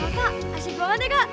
kau asyik banget ya kak